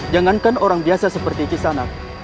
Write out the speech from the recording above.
jangankan orang biasa seperti cisanak